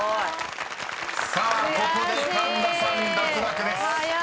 ［さあここで神田さん脱落です］